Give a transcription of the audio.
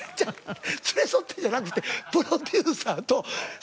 「連れ添って」じゃなくてプロデューサーと声優さん。